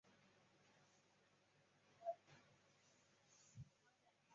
类似的还有位于朝韩非军事区内的京义线长湍站等。